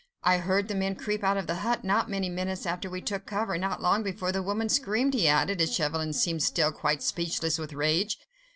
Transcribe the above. "I heard the men creep out of the hut, not many minutes after we took cover, and long before the woman screamed," he added, as Chauvelin seemed still quite speechless with rage.